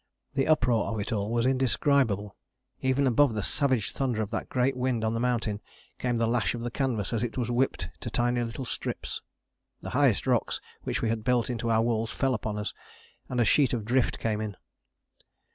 The uproar of it all was indescribable. Even above the savage thunder of that great wind on the mountain came the lash of the canvas as it was whipped to little tiny strips. The highest rocks which we had built into our walls fell upon us, and a sheet of drift came in.